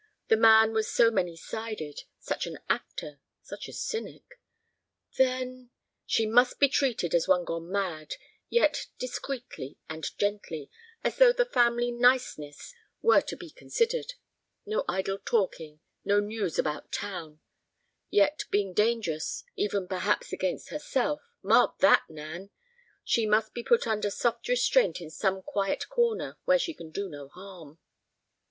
The man was so many sided, such an actor, such a cynic. "Then—" "She must be treated as one gone mad, yet discreetly and gently, as though the family niceness were to be considered. No idle talking, no news about town. Yet being dangerous, even, perhaps, against herself—mark that, Nan!—she must be put under soft restraint in some quiet corner where she can do no harm."